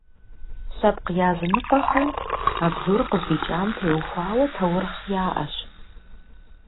Лъэпкъ языныкъуэхэм а бзур къыздикӏам теухуа таурыхъ яӏэщ.